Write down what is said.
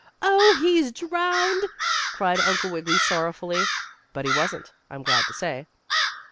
"Oh, he's drowned!" cried Uncle Wiggily sorrowfully. But he wasn't, I'm glad to say.